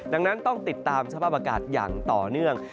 ดังนั้นต้องติดตามสภาพอากาศอย่างต่อเนื่อง